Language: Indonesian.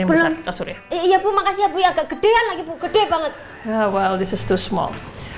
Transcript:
yang besar kasurnya iya pu makasih ya bu ya kegedean lagi buke banget awal disitu small